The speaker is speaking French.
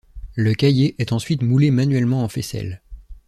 Le caillé est ensuite moulé manuellement en faisselle.